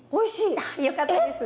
あっよかったです。